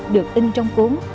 được in trong cuốn